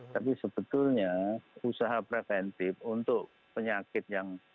tapi sebetulnya usaha preventif untuk penyakit yang